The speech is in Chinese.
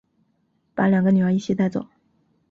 把两个女儿一起带走